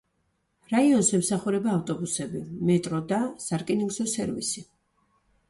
რაიონს ემსახურება ავტობუსები, მეტრო და სარკინიგზო სერვისი.